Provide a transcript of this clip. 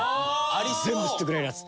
全部吸ってくれるやつ。